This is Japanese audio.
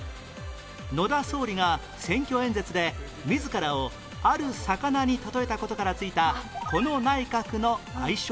野田総理が選挙演説で自らをある魚に例えた事から付いたこの内閣の愛称は？